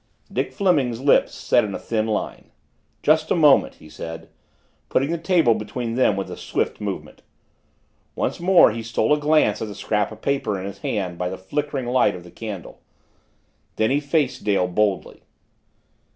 Dick Fleming's lips set in a thin line. "Just a moment," he said, putting the table between them with a swift movement. Once more he stole a glance at the scrap of paper in his hand by the flickering light of the candle. Then he faced Dale boldly.